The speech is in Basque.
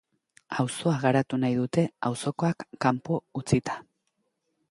Auzoa garatu nahi dute auzokoak kanpo utzita.